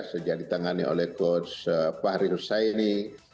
sejak ditangani oleh coach pak rius saini